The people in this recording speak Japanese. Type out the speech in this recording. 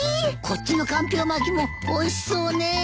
こっちのかんぴょう巻きもおいしそうねえ。